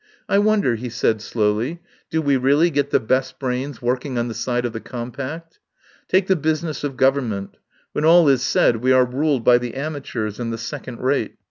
"I wonder," he said slowly. "Do we really get the best brains working on the side of the compact? Take the business of Government. When all is said, we are ruled by the amateurs and the second rate.